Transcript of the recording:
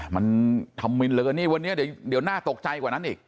มันทำเม็ดเลยวันนี้เดี๋ยวน่าตกใจกว่านั้นอีก